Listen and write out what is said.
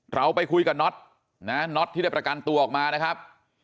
เราไปคุยกับน็อตนะน็อตที่ได้ประกันตัวออกมานะครับ